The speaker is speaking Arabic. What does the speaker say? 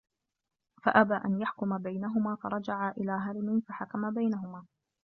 فَأَبَى أَنْ يَحْكُمَ بَيْنَهُمَا فَرَجَعَا إلَى هَرِمٍ فَحَكَمَ بَيْنَهُمَا